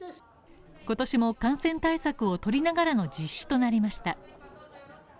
今年も感染対策をとりながらの実施となりました。